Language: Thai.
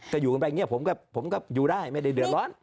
แต่อยู่กันแบบนี้ผมก็อยู่ได้ไม่ได้เดือนร้อน